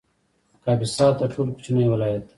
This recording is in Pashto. کاپیسا تر ټولو کوچنی ولایت دی